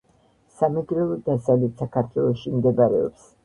სამეგრელო დასავლეთ საქართველოში მდებარეობს.